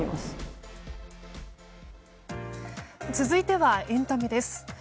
続いてはエンタメです。